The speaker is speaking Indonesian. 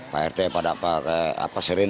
pak rt pada apa apa serin